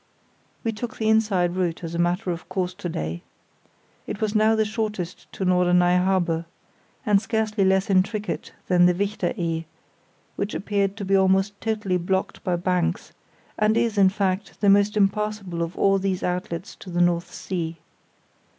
We took the inside route as a matter of course to day. It was now the shortest to Norderney harbour, and scarcely less intricate than the Wichter Ee, which appeared to be almost totally blocked by banks, and is, in fact, the most impassable of all these outlets to the North Sea.